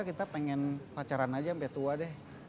kita pengen pacaran aja sampai tua deh